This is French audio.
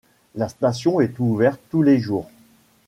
La station est ouverte tous les jours.